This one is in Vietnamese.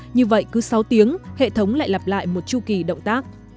như vậy cứ sáu tiếng hệ thống lại lặp lại một chu kỳ động tác